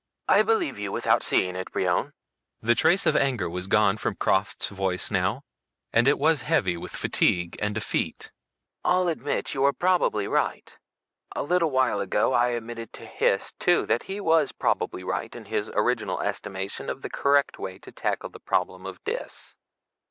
"I believe you without seeing it, Brion." The trace of anger was gone from Krafft's voice now, and it was heavy with fatigue and defeat. "I'll admit you are probably right. A little while ago I admitted to Hys too that he was probably right in his original estimation of the correct way to tackle the problem of Dis.